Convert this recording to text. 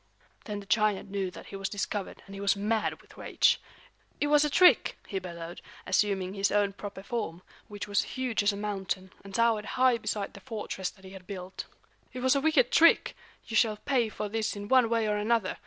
Then the giant knew that he was discovered, and he was mad with rage. "It was a trick!" he bellowed, assuming his own proper form, which was huge as a mountain, and towered high beside the fortress that he had built. "It was a wicked trick. You shall pay for this in one way or another.